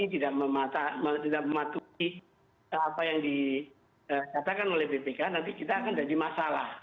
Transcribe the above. tidak mematuhi apa yang dikatakan oleh bpk nanti kita akan jadi masalah